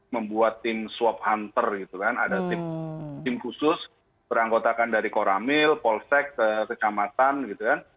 membuat tim swap hunter gitu kan ada tim khusus beranggotakan dari koramil polsek kecamatan gitu kan